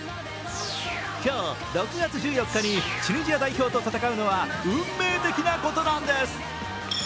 今日６月１４日に、チュニジア代表と戦うのは運命的なことなんです。